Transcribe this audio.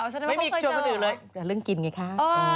ไม่มีชวนคนอื่นเลยแต่เรื่องกินไงคะ